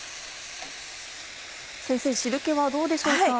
先生汁気はどうでしょうか？